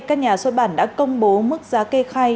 các nhà xuất bản đã công bố mức giá kê khai